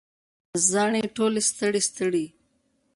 زاڼې ټولې ستړي، ستړي